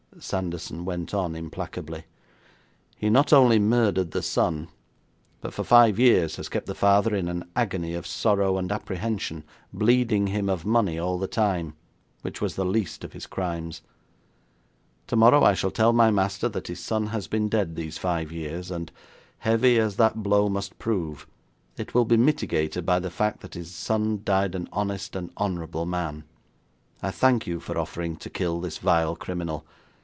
Sanderson went on implacably: 'He not only murdered the son, but for five years has kept the father in an agony of sorrow and apprehension, bleeding him of money all the time, which was the least of his crimes. Tomorrow I shall tell my master that his son has been dead these five years, and heavy as that blow must prove, it will be mitigated by the fact that his son died an honest and honourable man. I thank you for offering to kill this vile criminal.